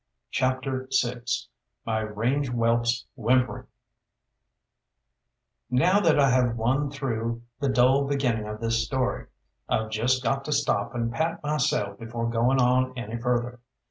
CHAPTER VI MY RANGE WHELPS WHIMPERING Now that I have won through the dull beginning of this story, I've just got to stop and pat myself before going on any further.